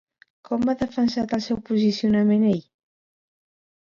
Com ha defensat el seu posicionament ell?